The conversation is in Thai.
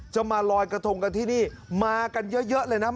จะมาลอยกระทงกันที่นี่มากันเยอะเลยนะ